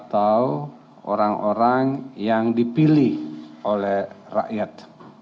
atau orang orang yang dipilih oleh rakyat